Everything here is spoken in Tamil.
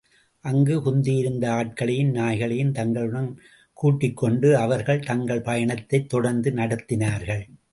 அங்கு குந்தியிருந்த ஆட்களையும் நாய்களையும் தங்களுடன் கூட்டிக்கொண்டு அவர்கள் தங்கள் பயணத்தைத் தொடர்ந்து நடத்தினார்கள்.